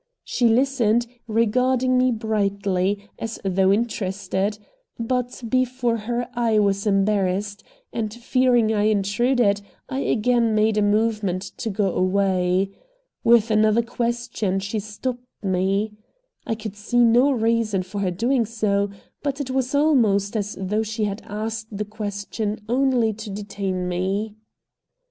She listened, regarding me brightly, as though interested; but before her I was embarrassed, and, fearing I intruded, I again made a movement to go away. With another question she stopped me. I could see no reason for her doing so, but it was almost as though she had asked the question only to detain me.